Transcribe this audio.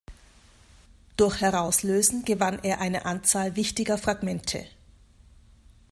Durch Herauslösen gewann er eine Anzahl wichtiger Fragmente.